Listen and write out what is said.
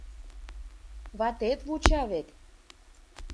Ватет вуча вет...